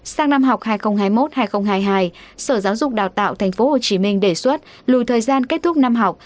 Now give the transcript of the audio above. sang năm học hai nghìn hai mươi một hai nghìn hai mươi hai sở giáo dục đào tạo tp hcm đề xuất lùi thời gian kết thúc năm học